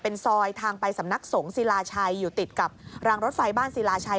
เป็นซอยทางไปสำนักสงฆ์ศิลาชัยอยู่ติดกับรางรถไฟบ้านศิลาชัย